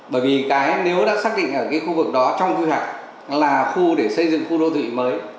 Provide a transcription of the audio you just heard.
bởi vì cái nếu đã xác định ở cái khu vực đó trong quy hoạch là khu để xây dựng khu đô thị mới